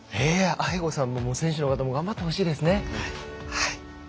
アヘゴさんも選手の方も頑張ってほしいですね。